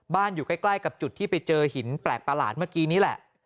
อยู่ใกล้กับจุดที่ไปเจอหินแปลกประหลาดเมื่อกี้นี้แหละ